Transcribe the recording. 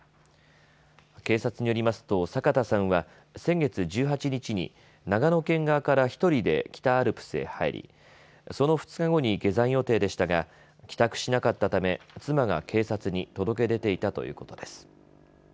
警察によりますと酒田さんは、先月１８日に長野県側から１人で北アルプスへ入り、その２日後に下山予定でしたが帰宅しなかったため妻が警察に届け出ていたということです。